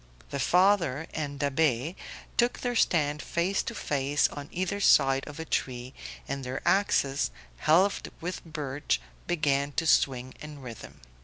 The father and Da'Be took their stand face to face on either side of a tree, and their axes, helved with birch, began to swing in rhythm.